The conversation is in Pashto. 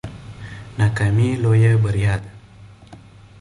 ناکامي لویه بریا ده